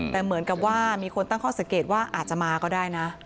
แต่เหมือนกับว่ามีคนตั้งข้อสังเกตว่าอาจจะมาก็ได้นะ